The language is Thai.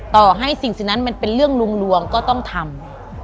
ต่อให้สิ่งสิ่งนั้นมันเป็นเรื่องลวงก็ต้องทำ